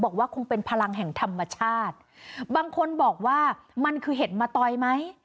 บอกว่าคงเป็นพลังแห่งธรรมชาติบางคนบอกว่ามันคือเห็ดมะตอยไหม